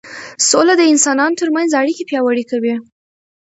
سوله د انسانانو ترمنځ اړیکې پیاوړې کوي